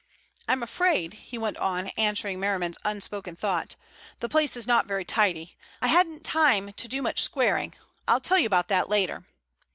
I'm afraid," he went on, answering Merriman's unspoken thought, "the place is not very tidy. I hadn't time to do much squaring—I'll tell you about that later.